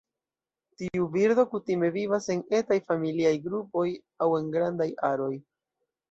Tiu birdo kutime vivas en etaj familiaj grupoj aŭ en grandaj aroj.